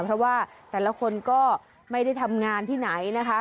เพราะว่าแต่ละคนก็ไม่ได้ทำงานที่ไหนนะคะ